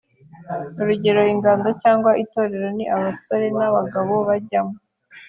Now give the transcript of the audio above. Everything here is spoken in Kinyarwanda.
Urugerero Ingando cyangwa itorero ni abasore n’abagabo bajyagamo